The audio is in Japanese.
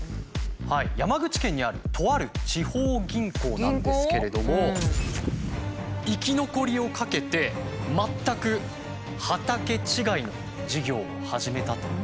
山口県にあるとある地方銀行なんですけれども生き残りを懸けて全く畑ちがいの事業を始めたという。